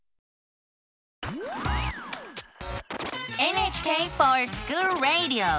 「ＮＨＫｆｏｒＳｃｈｏｏｌＲａｄｉｏ」！